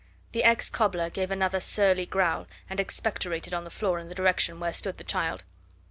The ex cobbler gave another surly growl and expectorated on the floor in the direction where stood the child.